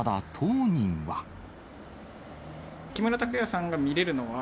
木村拓哉さんが見れるのは？